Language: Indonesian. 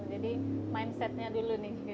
jadi mindsetnya dulu nih